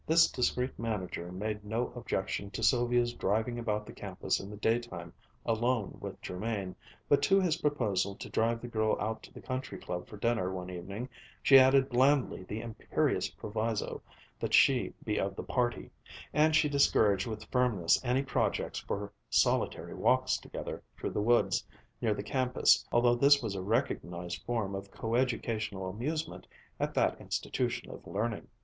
This discreet manager made no objection to Sylvia's driving about the campus in the daytime alone with Jermain, but to his proposal to drive the girl out to the country club for dinner one evening she added blandly the imperious proviso that she be of the party; and she discouraged with firmness any projects for solitary walks together through the woods near the campus, although this was a recognized form of co educational amusement at that institution of learning.